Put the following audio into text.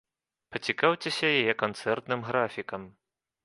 Пацікаўцеся яе канцэртным графікам!